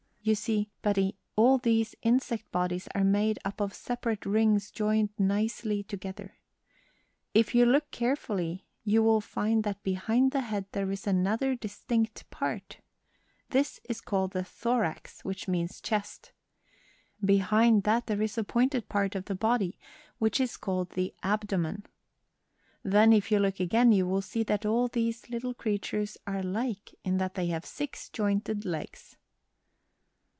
You see, Betty, all these insect bodies are made up of separate rings joined nicely together. If you look carefully you will find that behind the head there is another distinct part. This is called the thorax, which means chest. Behind that there is a pointed part of the body, which is called the abdomen. Then, if you look again, you will see that all these little creatures are alike in that they have six jointed legs."